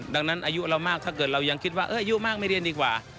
ดังนั้นอายุเรามากถ้าเกิดเรายังคิดว่าอายุมากไม่เรียนดีกว่า